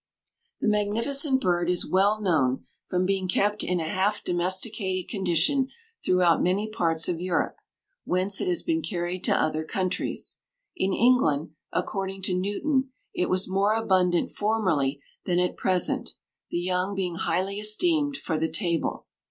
This magnificent bird is well known from being kept in a half domesticated condition throughout many parts of Europe, whence it has been carried to other countries. In England, according to Newton, it was more abundant formerly than at present, the young being highly esteemed for the table.